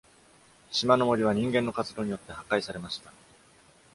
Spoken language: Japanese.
島の森は人間の活動によって破壊されました。